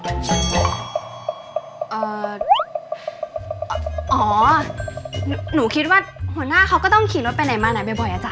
อ๋อหนูคิดว่าหัวหน้าเขาก็ต้องขี่รถไปไหนมาไหนบ่อยอาจาร